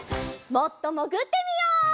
もっともぐってみよう！